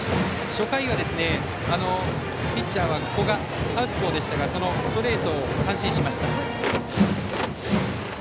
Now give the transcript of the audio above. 初回はピッチャー、古賀サウスポーでしたがそのストレートを三振しました。